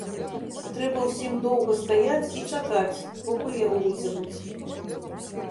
Трэба ўсім доўга стаяць і чакаць, покуль яго выцягнуць.